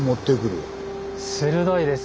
鋭いです。